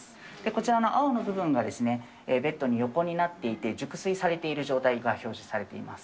こちらの青の部分が、ベッドに横になっていて、熟睡されている状態が表示されています。